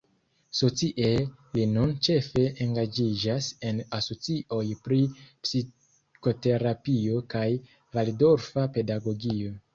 Socie, li nun ĉefe engaĝiĝas en asocioj pri psikoterapio kaj valdorfa pedagogio.